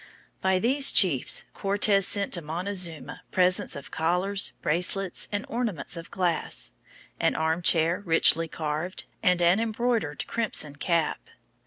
By these chiefs Cortes sent to Montezuma presents of collars, bracelets, and ornaments of glass, an armchair richly carved, and an embroidered crimson cap.